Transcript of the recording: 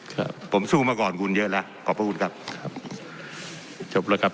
ครับผมสู้มาก่อนคุณเยอะแล้วขอบพระคุณครับครับจบแล้วครับ